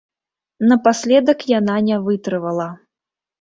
Напаследак яна не вытрывала.